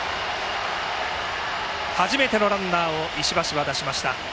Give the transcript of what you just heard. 初めてのランナーを石橋は出しました。